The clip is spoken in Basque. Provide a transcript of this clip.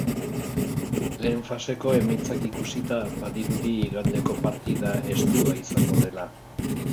Lehen faseko emaitzak ikusita, badirudi igandeko partida estua izango dela.